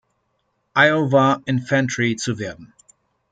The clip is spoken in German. Iowa Infantry" zu werden.